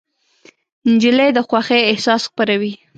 نجلۍ د خوښۍ احساس خپروي.